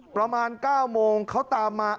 ประมาณ๙โมงเขาตามมา